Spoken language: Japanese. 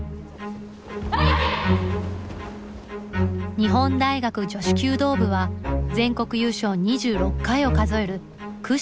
日本大学女子弓道部は全国優勝２６回を数える屈指の名門です。